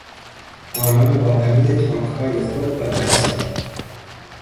آنان با همهی تانکهای خود پاتک زدند.